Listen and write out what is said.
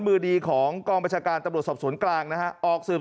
มือดีของกองประชาการตำรวจสอบสวนกลางนะฮะออกสืบ